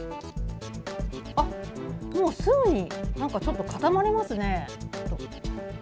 あっ、もう、すぐになんかちょっと、固まりますね。